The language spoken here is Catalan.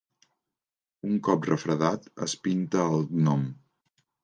Un cop refredat, es pinta el gnom.